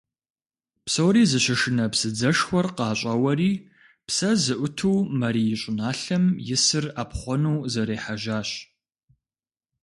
Псори зыщышынэ псыдзэшхуэр къащӀэуэри псэ зыӀуту Марий щӀыналъэм исыр Ӏэпхъуэну зэрехьэжьащ.